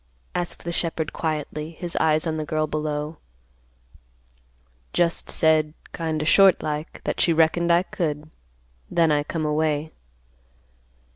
asked the shepherd quietly, his eyes on the girl below. "Just said, kind o' short like, that she reckoned I could. Then I come away."